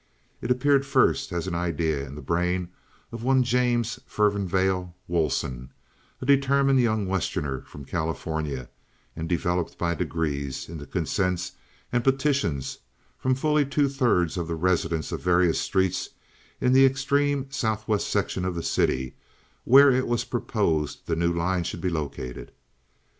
It appeared first as an idea in the brain of one James Furnivale Woolsen, a determined young Westerner from California, and developed by degrees into consents and petitions from fully two thirds of the residents of various streets in the extreme southwest section of the city where it was proposed the new line should be located.